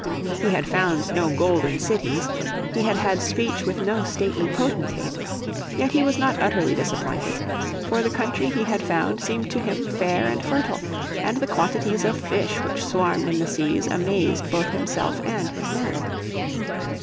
He had found no "golden cities," he had had speech with no stately potentate. Yet he was not utterly disappointed. For the country he had found seemed to him fair and fertile, and the quantities of fish which swarmed in the seas amazed both himself and his men.